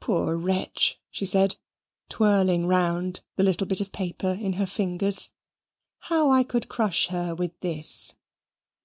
"Poor wretch," she said, twirling round the little bit of paper in her fingers, "how I could crush her with this!